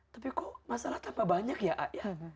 tapi kok masalah tambah banyak ya ayah